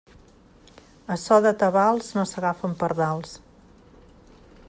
A so de tabals no s'agafen pardals.